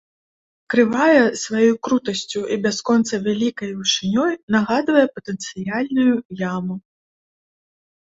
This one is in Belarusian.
Крывая сваёй крутасцю і бясконца вялікай вышынёй нагадвае патэнцыяльную яму.